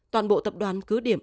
toàn bộ tập đoàn cứ điểm